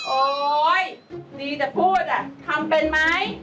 โอ๊ยดีจะพูดนะทำเป็นไหม